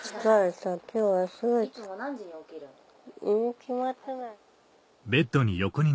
決まってない。